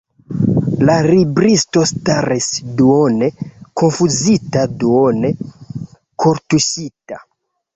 La libristo staris duone konfuzita, duone kortuŝita.